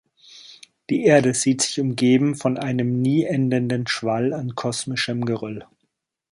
Die Erde sieht sich umgeben von einem nie endenden Schwall an kosmischem Geröll.